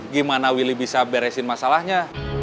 gimana willy bisa beresin masalahnya